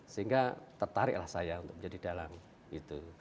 sehingga tertariklah saya untuk menjadi dalang itu